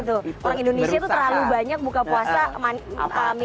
orang indonesia itu terlalu banyak buka puasa minum manis manis